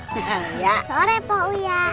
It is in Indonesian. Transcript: kamarnya juga rhe squared pointnya